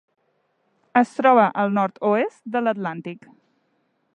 Es troba al nord-oest de l'Atlàntic.